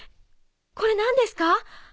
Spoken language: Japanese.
これ何ですか？